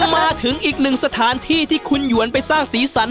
มาถึงอีกหนึ่งสถานที่ที่คุณหยวนไปสร้างสีสัน